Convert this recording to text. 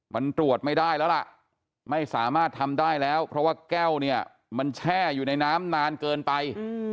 มันตรวจไม่ได้แล้วล่ะไม่สามารถทำได้แล้วเพราะว่าแก้วเนี่ยมันแช่อยู่ในน้ำนานเกินไป